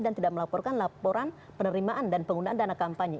dan tidak melaporkan laporan penerimaan dan penggunaan dana kampanye